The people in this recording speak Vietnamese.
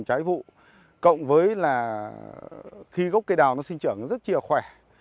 trái vụ cộng với là khi gốc cây đào nó sinh trưởng nó rất chìa khỏe